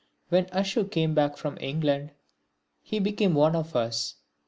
When Ashu came back from England he became one of us.